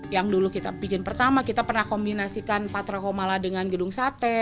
yang dulu kita bikin pertama kita pernah kombinasikan patra komala dengan gedung sate